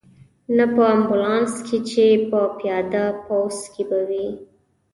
نه په امبولانس کې، چې په پیاده پوځ کې به وې.